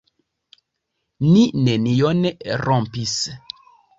Ni nenion rompis.